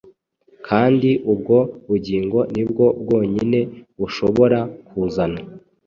kandi ubwo bugingo ni bwo bwonyine bushobora kuzana